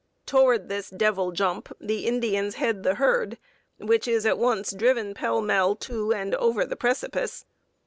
Toward this 'devil jump' the Indians head the herd, which is at once driven pell mell to and over the precipice.